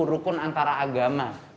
rukun antara agama